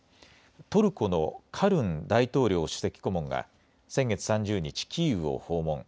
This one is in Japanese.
トルコのカルン大統領首席顧問が先月３０日、キーウを訪問。